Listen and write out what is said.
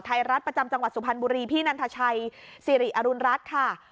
ไทยรัฐประจำจังหวัดสุพรรณบุรีพี่นันทชัยสิริอรุณรัฐค่ะ